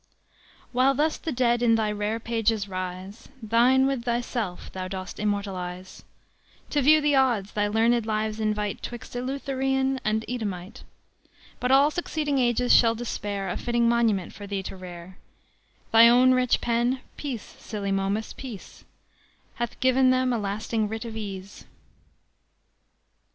"While thus the dead in thy rare pages rise Thine, with thyself, thou dost immortalise, To view the odds thy learned lives invite 'Twixt Eleutherian and Edomite. But all succeeding ages shall despair A fitting monument for thee to rear. Thy own rich pen (peace, silly Momus, peace!) Hath given them a lasting writ of ease."